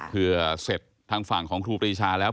เพื่อเสร็จทางฝั่งของครูปรีชาแล้ว